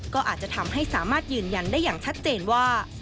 ก็อาจจะทำให้สามารถยืนยันได้อย่างชัดเจนว่า